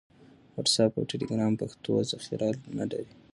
واټس اپ او ټیلیګرام پښتو ذخیره نه لري.